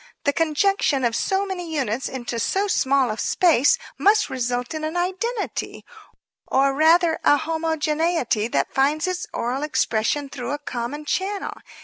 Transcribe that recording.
The conjunction of so many units into so small a space must result in an identity or, or rather a homogeneity that finds its oral expression through a common channel.